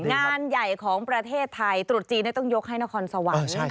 งานใหญ่ของประเทศไทยตรุษจีนต้องยกให้นครสวรรค์